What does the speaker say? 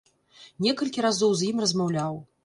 Некалькі разоў з ім размаўляў.